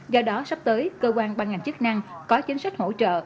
do đó sắp tới cơ quan ban ngành chức năng có chính sách hỗ trợ